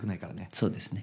そうですね。